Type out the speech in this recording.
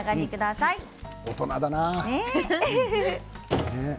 大人だな。